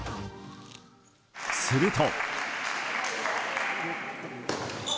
すると。